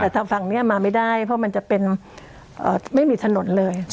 แต่ทางฝั่งนี้มาไม่ได้เพราะมันจะเป็นไม่มีถนนเลย